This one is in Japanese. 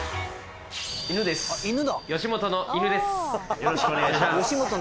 よろしくお願いします。